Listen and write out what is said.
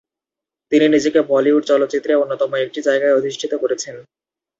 তিনি নিজেকে বলিউড চলচ্চিত্রে অন্যতম একটি জায়গায় অধিষ্ঠিত করেছেন।